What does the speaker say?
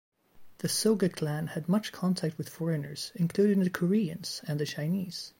The Soga clan had much contact with foreigners, including the Koreans and the Chinese.